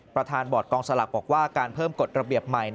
ประธานบอร์ดกองสลักบอกว่าการเพิ่มกฎระเบียบใหม่